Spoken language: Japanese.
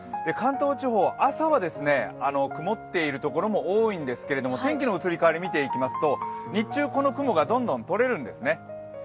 関東地方、朝は曇っているところも多いんですけど天気の移り変わりを見ていきますと、日中、この雲がどんどん取れるんですね。